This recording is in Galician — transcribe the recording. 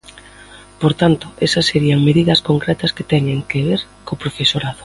Por tanto, esas serían medidas concretas que teñen que ver co profesorado.